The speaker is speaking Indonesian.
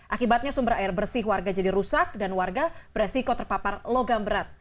akibatnya sumber air bersih warga jadi rusak dan warga beresiko terpapar logam berat